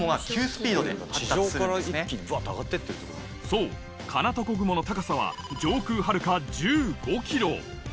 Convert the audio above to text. そうかなとこ雲の高さは上空はるか１５キロ